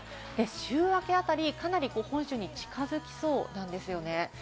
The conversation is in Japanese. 週明けあたり、かなり本州に近づきそうなんですね。